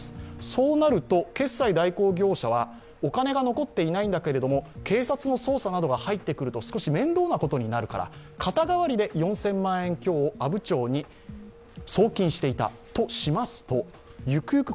そうなると、決済代行業者はお金が残っていないんだけども警察の捜査などが入ってくると少し面倒なことになるから、肩代わりで４０００万円強を阿武町に送金していたとしますとゆくゆく